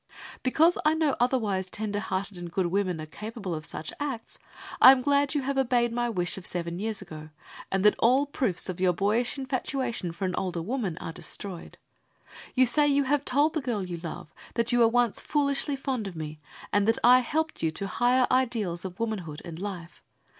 Because I know otherwise tender hearted and good women are capable of such acts, I am glad you have obeyed my wish of seven years ago, and that all proofs of your boyish infatuation for an older woman are destroyed. You say you have told the girl you love that you once were foolishly fond of me, and that I helped you to higher ideals of womanhood and life.